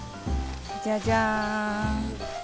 じゃじゃん！